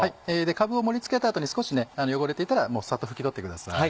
かぶを盛り付けた後に少し汚れていたらサッと拭き取ってください。